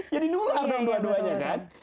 jadi nular dong dua duanya kan